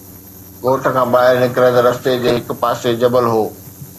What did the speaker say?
ڳوٺ کان ٻاهر نڪرندڙ رستي جي هڪ پاسي جبل هو